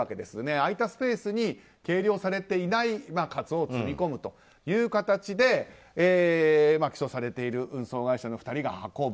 空いたスペースに計量されていないカツオを積み込むという形で起訴されている運送会社の２人が運ぶ。